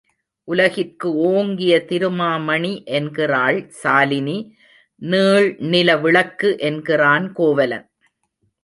உலகிற்கு ஓங்கிய திருமாமணி என்கிறாள் சாலினி, நீள் நில விளக்கு என்கிறான் கோவலன்.